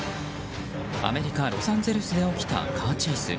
アメリカ・ロサンゼルスで起きたカーチェイス。